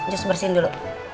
just bersihin dulu